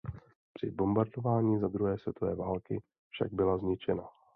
Při bombardování za druhé světové války však byla zničena.